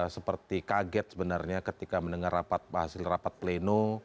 seperti kaget sebenarnya ketika mendengar hasil rapat pleno